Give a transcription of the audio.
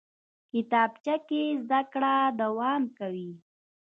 کتابچه کې زده کړه دوام کوي